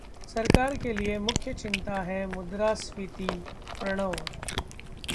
सरकार के लिए मुख्य चिंता है मुद्रास्फीति: प्रणव